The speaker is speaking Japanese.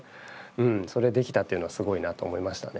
うんそれできたっていうのはすごいなと思いましたね。